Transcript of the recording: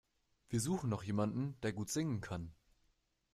Wir suchen noch jemanden, der gut singen kann.